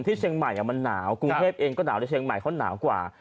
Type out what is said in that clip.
ที่เชียงใหม่มันหนาวกรุงเทพเองก็หนาวแต่เชียงใหม่เขาหนาวกว่า